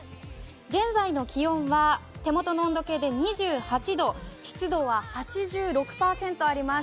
現在の気温は手元の温度計で２８度、湿度は８６％あります。